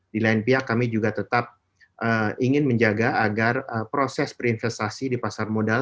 di lain pihak kami juga tetap ingin menjaga agar proses berinvestasi di pasar modal